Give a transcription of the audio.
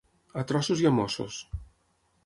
A trossos i a mossos.